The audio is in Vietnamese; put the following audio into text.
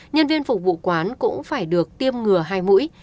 nhân viên phục vụ quán cũng phải được tiêm ngừa hai mũi